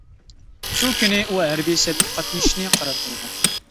شۇ كۈنى ئۇ ھەربىي سەپكە قاتنىشىشنى قارار قىلغان.